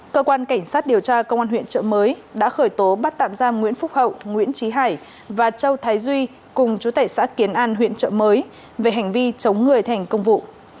cơ quan cảnh sát điều tra công an huyện trợ mới đã khởi tố bắt tạm giam nguyễn phúc hậu nguyễn trí hải và châu thái duy cùng chú tệ xã kiến an huyện trợ mới về hành vi chống người thành công vụ